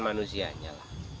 bukan manusianya lah